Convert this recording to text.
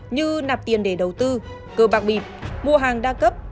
như nạp tiền để đầu tư cơ bạc bịp mua hàng đa cấp